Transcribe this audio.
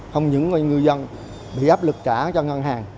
không những ngư dân bị áp lực trả cho ngân hàng